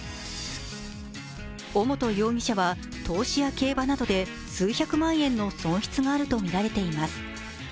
尾本容疑者は投資や競馬などで数百万円の損失があるとみられています。